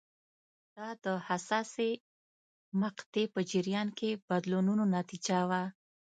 دا د حساسې مقطعې په جریان کې بدلونونو نتیجه وه.